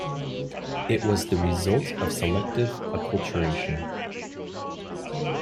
It was the result of selective acculturation.